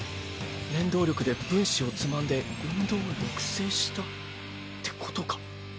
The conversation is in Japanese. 念動力で分子をつまんで運動を抑制したってことか。